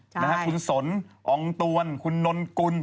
คุณสนองตวนคุณน้นกุล